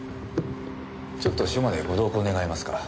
ちょっと署までご同行願えますか？